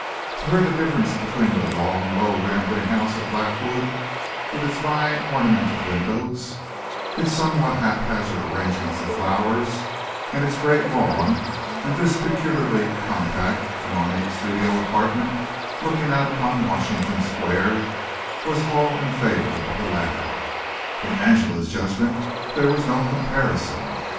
To her the difference between the long, low rambling house at Blackwood with its vine ornamented windows, its somewhat haphazard arrangement of flowers and its great lawn, and this peculiarly compact and ornate studio apartment looking out upon Washington Square, was all in favor of the latter. In Angela's judgment there was no comparison.